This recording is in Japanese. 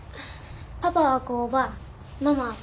パパは工場ママはパート。